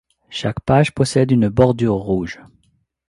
Chaque page possède une bordure rouge.